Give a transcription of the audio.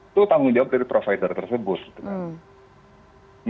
itu tanggung jawab dari provider tersebut gitu kan